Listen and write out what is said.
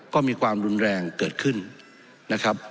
ก็มีความรุนแรงเกิดขึ้นนะครับ